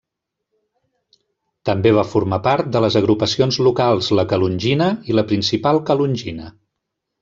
També va formar part de les agrupacions locals la Calongina i la Principal Calongina.